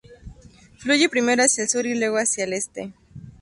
Fluye primero hacia el sur y luego hacia el este.